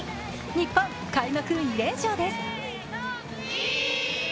日本、開幕２連勝です。